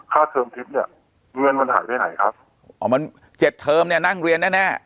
เทอมทิพย์เนี่ยเงินมันหายไปไหนครับอ๋อมันเจ็ดเทอมเนี่ยนั่งเรียนแน่แน่